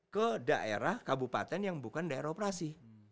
ke daerah kabupaten yang bukan daerah operasi